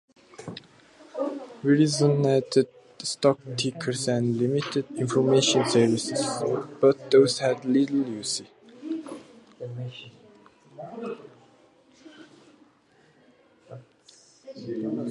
Verizon added stock tickers and limited information services, but those had little use.